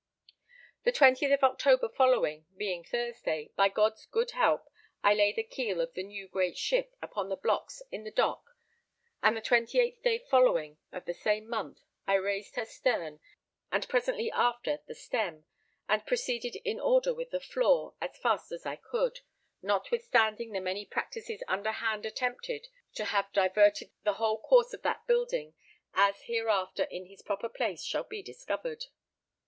The 20th October following, being Thursday, by God's good help I lay the keel of the new great ship upon the blocks in the dock, and the 28th day following, of the same month, I raised her stern, and presently after the stem, and proceeded in order with the floor as fast as I could, notwithstanding the many practices underhand attempted to have diverted the whole course of that building, as hereafter in his proper place shall be discovered.